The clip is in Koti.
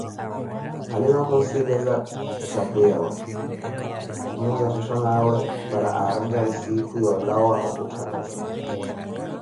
Halima khunssileza opheya swahiphu'awe Khumuza shoshonawe pára aranjari siikhu yoolawa okhutanaza